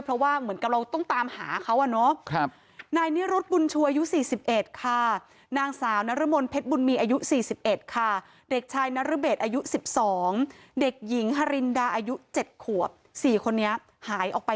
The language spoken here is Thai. เพราะว่าอยากต้องตามหาเขา